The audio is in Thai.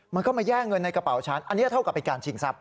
มันก็มาแย่งเงินในกระเป๋าฉันอันนี้เท่ากับเป็นการชิงทรัพย